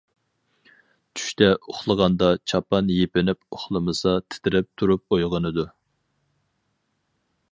چۈشتە ئۇخلىغاندا چاپان يېپىنىپ ئۇخلىمىسا تىترەپ تۇرۇپ ئويغىنىدۇ.